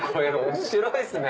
面白いですね。